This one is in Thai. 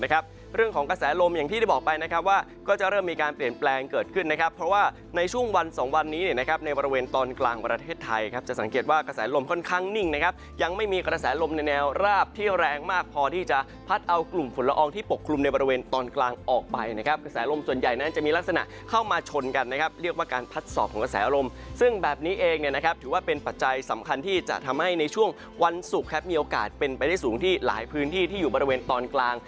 ครับเรื่องของกระแสลมอย่างที่ได้บอกไปนะครับว่าก็จะเริ่มมีการเปลี่ยนแปลงเกิดขึ้นนะครับเพราะว่าในช่วงวันสองวันนี้นะครับในบริเวณตอนกลางประเทศไทยครับจะสังเกตว่ากระแสลมค่อนข้างนิ่งนะครับยังไม่มีกระแสลมในแนวราบที่แรงมากพอที่จะพัดเอากลุ่มฝุ่นละอองที่ปกกลุ่มในบริเวณตอนกลางออกไปนะครั